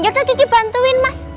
yaudah kiki bantuin mas